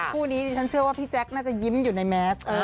คู่นี้ดิฉันเชื่อว่าพี่แจ๊คน่าจะยิ้มอยู่ในแมส